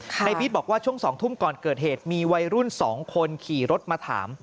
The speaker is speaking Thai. ในบี๊ดบอกว่าช่วง๒ทุ่มก่อนเกิดเหตุมีวัยรุ่น๒คนขี่รถมาถาม